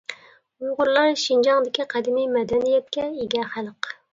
ئۇيغۇرلار شىنجاڭدىكى قەدىمىي مەدەنىيەتكە ئىگە خەلق.